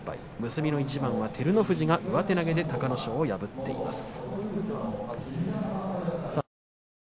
結びの一番、照ノ富士が上手投げで隆の勝を破っています。